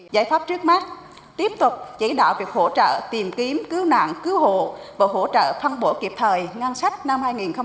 giải pháp trước mắt tiếp tục chỉ đạo việc hỗ trợ tìm kiếm cứu nạn cứu hộ và hỗ trợ phân bổ kịp thời ngân sách năm hai nghìn hai mươi hai nghìn hai mươi một